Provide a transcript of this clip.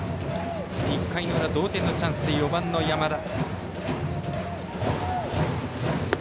１回の裏、同点のチャンスで４番の山田。